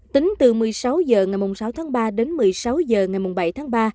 tính từ một mươi sáu h ngày sáu tháng ba đến một mươi sáu h ngày bảy tháng ba